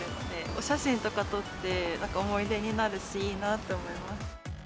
お写真とか撮って、なんか思い出になるし、いいなと思います。